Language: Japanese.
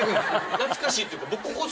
懐かしいっていうか。